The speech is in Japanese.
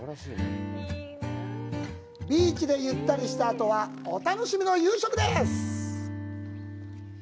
ビーチでゆったりしたあとはお楽しみの夕食です。